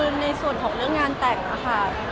จะในส่วนของเรื่องงานแต่งนะคะ